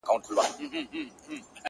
• زه په لحد کي جنډۍ به ناڅي ,